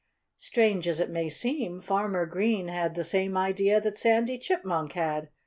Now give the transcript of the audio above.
Strange as it may seem, Farmer Green had the same idea that Sandy Chipmunk had.